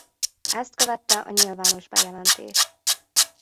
Ezt követte a nyilvános bejelentés.